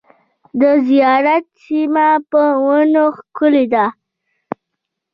د زیارت سیمه په ونو ښکلې ده .